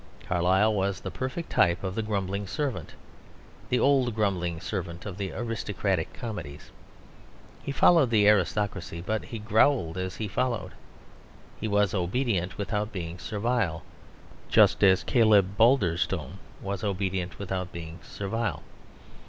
Carlyle was the perfect type of the grumbling servant; the old grumbling servant of the aristocratic comedies. He followed the aristocracy, but he growled as he followed. He was obedient without being servile, just as Caleb Balderstone was obedient without being servile.